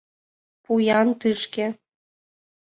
Пу-ян тышке.